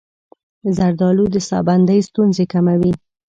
زردآلو د ساه بندۍ ستونزې کموي.